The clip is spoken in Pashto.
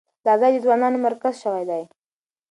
دا ځای د ځوانانو مرکز شوی دی.